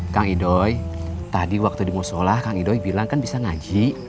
kang idoi tadi waktu di musolah kang idoi bilang kan bisa ngaji